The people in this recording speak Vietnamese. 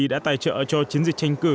đã tài trợ cho chiến dịch tranh cử